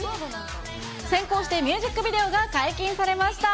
先行してミュージックビデオが解禁されました。